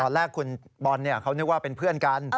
แรกคุณบอลเขานึกว่าเป็นเพื่อนกัน